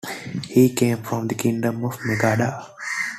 He came from the kingdom of Magadha.